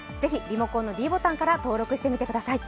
ぜひ、リモコンのｄボタンから登録してみてください。